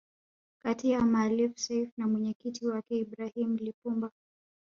kati ya Maalim Self na mwenyekiti wake Ibrahim Lipumba